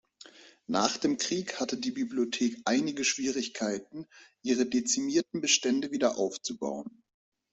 Nach dem Krieg hatte die Bibliothek einige Schwierigkeiten, ihre dezimierten Bestände wiederaufzubauen.